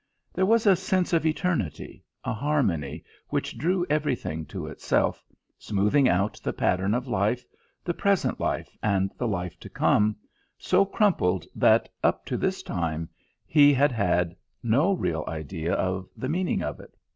There was a sense of eternity, a harmony which drew everything to itself, smoothing out the pattern of life, the present life and the life to come, so crumpled that, up to this time, he had had no real idea of the meaning of it.